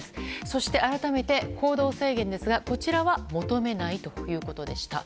そして、改めて行動制限ですがこちらは求めないということでした。